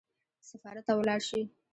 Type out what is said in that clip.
سفارت ته ولاړ شي.